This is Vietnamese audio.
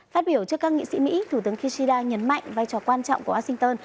phát biểu trước các nghị sĩ mỹ thủ tướng kishida nhấn mạnh vai trò quan trọng của washington